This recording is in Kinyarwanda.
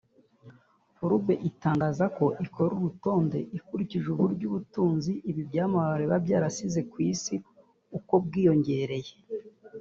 Forbes itangaza ko ikora uru rutonde ikurikije Uburyo Ubutunzi ibi byamamare biba byarasize ku Isi uko bwiyongeye